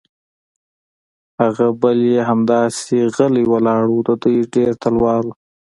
هغه بل یې همداسې غلی ولاړ و، د دوی ډېر تلوار و.